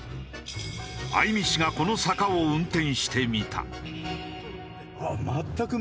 相見氏がこの坂を運転してみた。